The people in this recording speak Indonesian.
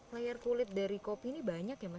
layar kulit dari kopi ini banyak ya mas